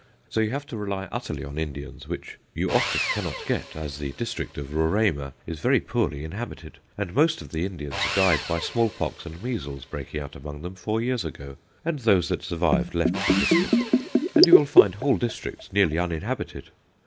So you have to rely utterly on Indians, which you often cannot get, as the district of Roraima is very poorly inhabited, and most of the Indians died by smallpox and measles breaking out among them four years ago, and those that survived left the district, and you will find whole districts nearly uninhabited.